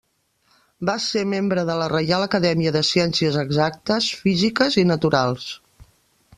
Va ser membre de la Reial Acadèmia de Ciències Exactes, Físiques i Naturals.